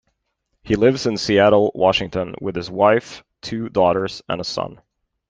He lives in Seattle, Washington, with his wife, two daughters and son.